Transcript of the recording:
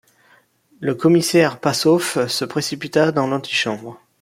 Le commissaire Passauf se précipita dans l’antichambre.